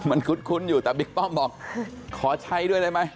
มันคุ้นอยู่แต่บิ๊กป้อมบอกขอใช้ด้วยได้ไหม